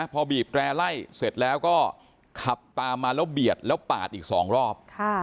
พอบีบแร่ไล่เสร็จแล้วก็ขับตามมาแล้วเบียดแล้วปาดอีก๒รอบ